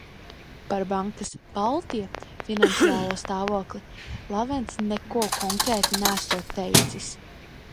"Par bankas "Baltija" finansiālo stāvokli Lavents neko konkrēti neesot teicis."